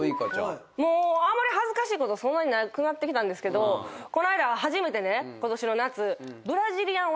もうあんまり恥ずかしいことそんななくなってきたんですけどこの間初めてねことしの夏。